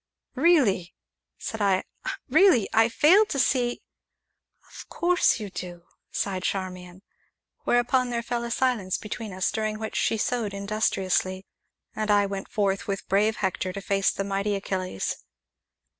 "Really," said I, "really, I fail to see " "Of course you do!" sighed Charmian. Whereupon there fell a silence between us, during which she sewed industriously, and I went forth with brave Hector to face the mighty Achilles.